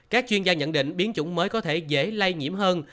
các chuyên gia nhận định biến chủng mới có thể dễ lây nhiễm hơn